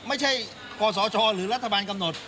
ไม่ใช่กศชหรือรัฐบาลกำหนด